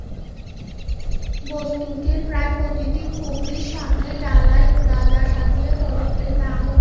বস্তিটির প্রায় প্রতিটি খুপরির সামনেই ডালায় গাঁজা সাজিয়ে চলে ক্রেতা আহ্বান।